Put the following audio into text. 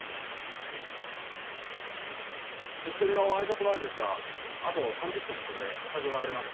関取の挨拶回りですがあと３０分ほどで支度が上がります。